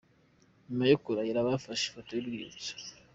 Nyuma yo kurahira bafashe ifoto y'urwibutso.